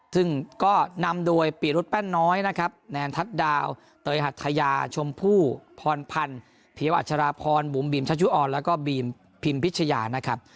ซึ่งก็นำโดยปีรุษแป้นน้อยนะครับแนนทัศน์ดาวเตยหัทยาชมพู่พรพันธ์เพียวอัชราพรบุ๋มบีมชัชชุออนแล้วก็บีมพิมพิชยานะครับ